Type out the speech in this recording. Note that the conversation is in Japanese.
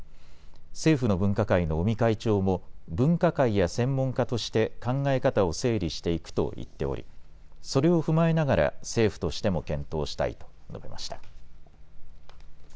政府の分科会の尾身会長も分科会や専門家として考え方を整理していくと言っておりそれを踏まえながら政府としても検討したいと述べました。